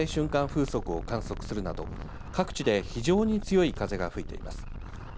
風速を観測するなど各地で非常に強い風が吹いています。